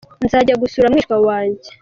Nzajya gusura mwishya wanjye.